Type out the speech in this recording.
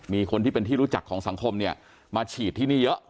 มีคนที่เป็นที่รู้จักของสังคมเนี่ยมาฉีดที่นี่เยอะ